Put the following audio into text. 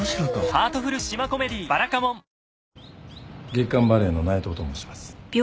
『月刊バレエ』の内藤と申します。